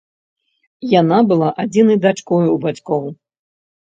Яна была адзінай дачкой у бацькоў.